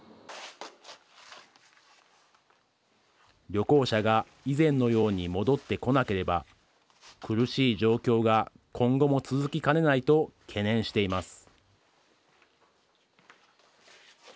旅行者が以前のように戻ってこなければ苦しい状況が今後も続きかねないと懸念しています。